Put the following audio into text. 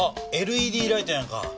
ＬＥＤライトやんか。